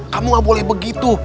kamu gak boleh begitu